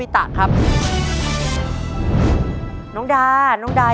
ตัวเลือกที่สอง๘คน